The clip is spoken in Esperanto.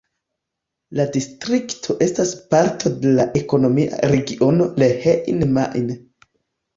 La distrikto estas parto de la ekonomia regiono Rhein-Main.